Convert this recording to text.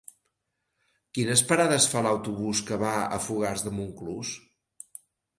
Quines parades fa l'autobús que va a Fogars de Montclús?